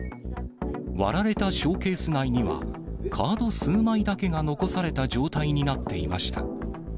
割られたショーケース内には、カード数枚だけが残された状態になっていました。